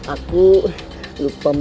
aku lupa memudaskanmu